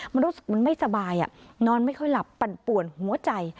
มันรู้สึกมันไม่สบายนอนไม่ค่อยหลับปั่นป่วนหัวใจ